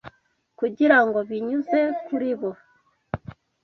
kugira ngo binyuze kuri bo